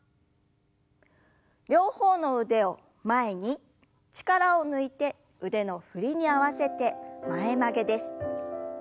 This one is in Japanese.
両方の腕を前に力を抜いて腕の振りに合わせて前曲げです。